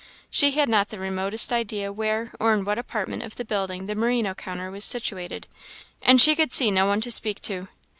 She had not the remotest idea where, or in what apartment of the building, the merino counter was situated, and she could see no one to speak to.